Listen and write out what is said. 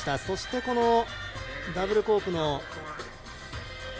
そして、ダブルコークの。